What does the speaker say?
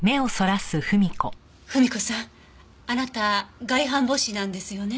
ふみ子さんあなた外反母趾なんですよね？